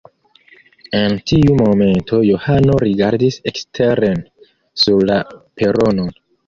En tiu momento Johano rigardis eksteren sur la peronon.